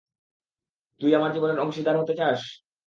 তুই আমার জীবনের অংশীদার হতে চাস?